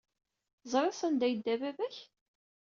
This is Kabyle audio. Teẓriḍ sanda ay yedda baba-k?